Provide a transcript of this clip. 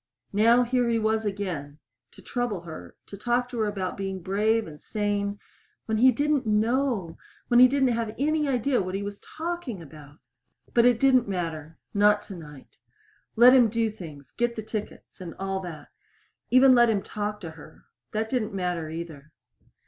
Now here he was again to trouble her, to talk to her about being brave and sane when he didn't know when he didn't have any idea what he was talking about! But it didn't matter not tonight. Let him do things get the tickets and all that. Even let him talk to her. That didn't matter either.